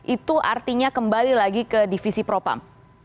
itu artinya kembali lagi ke divisi propam